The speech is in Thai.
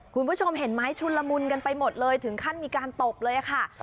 คุณผู้ชมเห็นไหมชุนละมุนกันไปหมดเลยถึงขั้นมีการตบเลยค่ะ